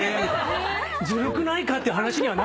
ずるくないか？っていう話にはなるんですよ。